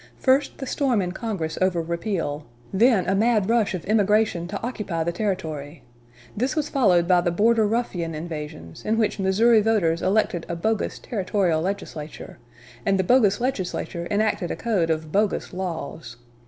First the storm in Congress over repeal; then a mad rush of emigration to occupy the Territory. This was followed by the Border Ruffian invasions, in which Missouri voters elected a bogus territorial legislature, and the bogus legislature enacted a code of bogus laws.